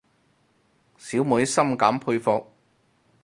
小妹深感佩服